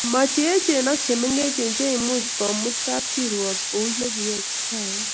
Mo cheechen ak chemengech cheimuchi kemut kapkirwok kouye kiyai kiptaiyat